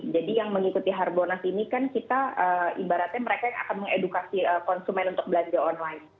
jadi yang mengikuti hard bolnas ini kan kita ibaratnya mereka yang akan mengedukasi konsumen untuk belanja online